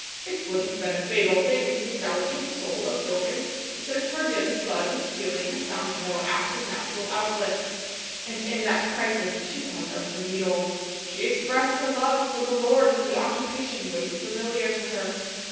It would have been a fatal thing for the delicate soul of Dorcas if so turgid a flood of feeling had found no apt and natural outlet. And in that crisis she thought of her needle. She expressed her love for the Lord in the occupation most familiar to her.